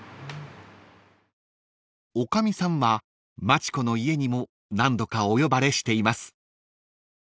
［女将さんは町子の家にも何度かお呼ばれしています］